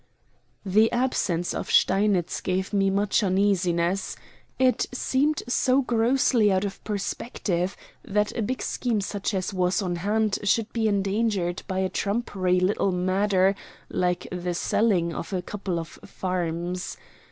The absence of Steinitz gave me much uneasiness. It seemed so grossly out of perspective that a big scheme such as was on hand should be endangered by a trumpery little matter like the selling of a couple of farms.